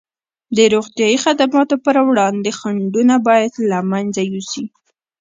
د روغتیايي خدماتو پر وړاندې خنډونه باید له منځه یوسي.